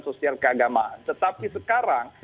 sosial keagamaan tetapi sekarang